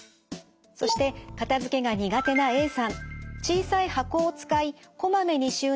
そして片付けが苦手なＡさん